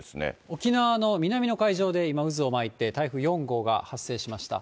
沖縄の南の海上で今、渦を巻いて、台風４号が発生しました。